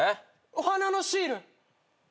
お花のシール？